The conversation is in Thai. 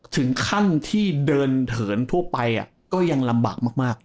ถึงขั้นที่เดินเถินทั่วไปก็ยังลำบากมาก